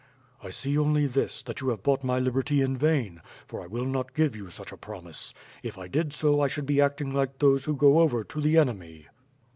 "I see only this, that you have bought my liberty in vain, for I will not give 3'ou such a promise; if I did so 1 should be acting like those who go over to the enemy."